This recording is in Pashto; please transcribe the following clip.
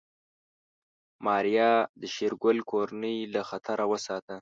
ماريا د شېرګل کورنۍ له خطر وساتله.